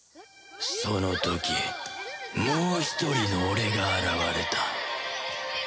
その時もう一人の俺が現れた。